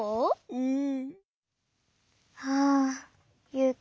うん。